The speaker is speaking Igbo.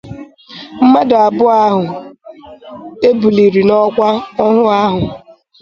mmadụ abụọ ahụ e buliri n'ọkwa ọhụụ ahụ